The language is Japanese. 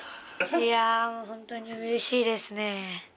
いや、ホントにうれしいですね